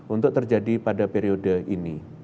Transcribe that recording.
untuk terjadi pada periode ini